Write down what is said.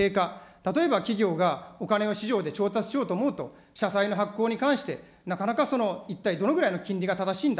例えば、企業がお金を市場で調達しようと思うと、社債の発行に関して、なかなか一体、どのぐらいの金利が正しいんだ。